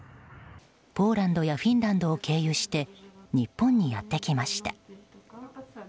ポーランドやフィンランドを経由して日本にやってきました。